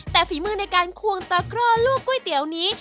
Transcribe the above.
แต่ฝีมือในการควงตะกร่อลูกก๋วยเตี๋ยวนี้